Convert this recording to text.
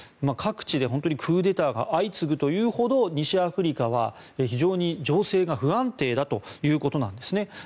各地で本当にクーデターが相次ぐほど西アフリカは非常に情勢が不安定だということなんですね。